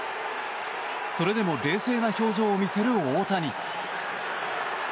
それでも冷静な表情を見せる大谷。